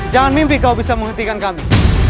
jangan mimpi kau bisa menghentikan kami